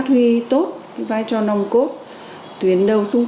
thì em sáng sáng